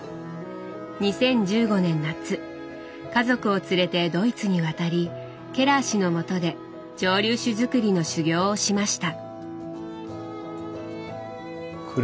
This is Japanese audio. ２０１５年夏家族を連れてドイツに渡りケラー氏のもとで蒸留酒づくりの修業をしました。